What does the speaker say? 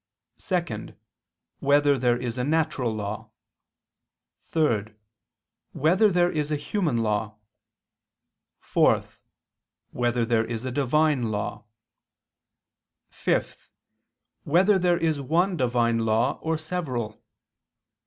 (2) Whether there is a natural law? (3) Whether there is a human law? (4) Whether there is a Divine law? (5) Whether there is one Divine law, or several?